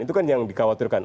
itu kan yang dikhawatirkan